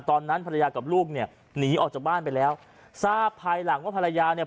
ตอนนั้นภรรยากับลูกเนี่ยหนีออกจากบ้านไปแล้วทราบภายหลังว่าภรรยาเนี่ย